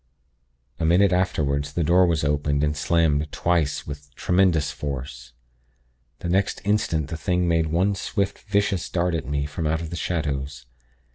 "A minute afterward, the door was opened and slammed twice with tremendous force. The next instant the thing made one swift, vicious dart at me, from out of the shadows.